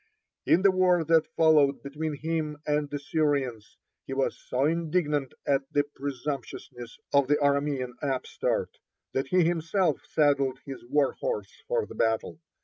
(34) In the war that followed between himself and the Syrians, he was so indignant at the presumptuousness of the Aramean upstart that he himself saddled his warhorse for the battle.